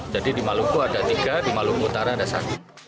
jadi di maluku ada tiga di maluku utara ada satu